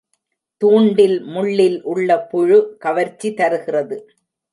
தூண்டில் முள்ளில் உள்ள புழு கவர்ச்சி தருகிறது.